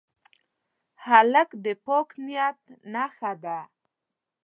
هلک د پاک نیت نښه ده.